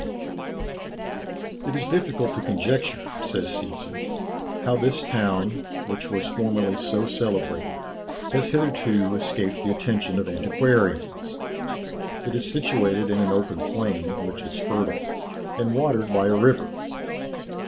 "It is difficult to conjecture," says Seetzen, "how this town, which was formerly so celebrated, has hitherto escaped the attention of antiquarians. It is situated in an open plain, which is fertile, and watered by a river.